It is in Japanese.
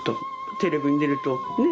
テレビに出るとねえ？